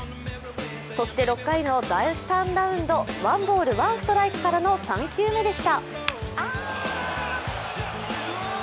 そして６回の第３ラウンド、１ボール、１ストライクからの３球目でした。